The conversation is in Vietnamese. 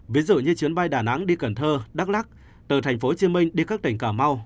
ví dụ như chuyến bay đà nẵng đi cần thơ đắk lắc từ tp hcm đi các tỉnh cà mau